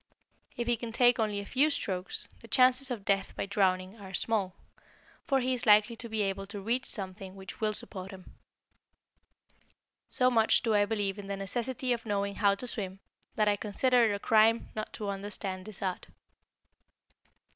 If he can take only a few strokes, the chances of death by drowning are small, for he is likely to be able to reach something which will support him. So much do I believe in the necessity of knowing how to swim, that I consider it a crime not to understand this art.